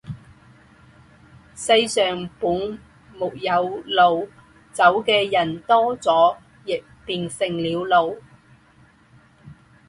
世上本没有路，走的人多了，也便成了路。